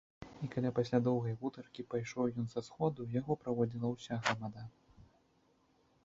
І калі пасля доўгай гутаркі пайшоў ён са сходу, яго праводзіла ўся грамада.